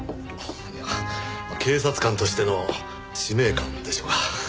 いや警察官としての使命感でしょうな。